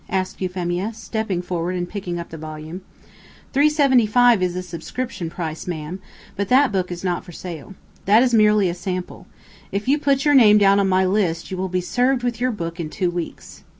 asked Euphemia, stepping forward and picking up the volume. "Three seventy five is the subscription price, ma'am, but that book is not for sale. That is merely a sample. If you put your name down on my list you will be served with your book in two weeks.